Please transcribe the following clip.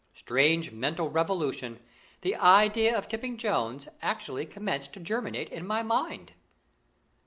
Strange mental revolution! The idea of tipping Jones actually commenced to germinate in my mind.